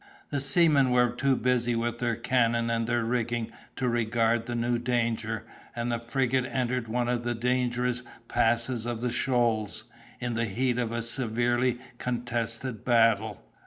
The seamen were too busy with their cannon and their rigging to regard the new danger; and the frigate entered one of the dangerous passes of the shoals, in the heat of a severely contested battle.